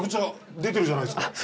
出てるじゃないですか！